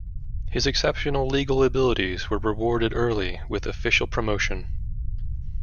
His exceptional legal abilities were rewarded early with official promotion.